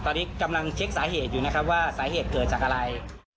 ตอนนี้กำลังเช็คสาเหตุอยู่นะครับว่าสาเหตุเกิดจากอะไร